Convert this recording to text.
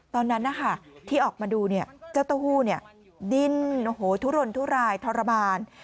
ตอนนั้นที่ออกมาดูเจ้าเต้าหู้ดิ้นทุรนทุรายทรมาน